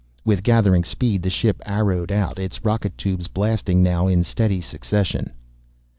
With gathering speed the ship arrowed out, its rocket tubes blasting now in steady succession.